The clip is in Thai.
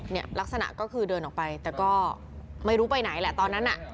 เนี่ยลักษณะก็คือเดินออกไปแต่ก็ไม่รู้ไปไหนแหละตอนนั้นน่ะ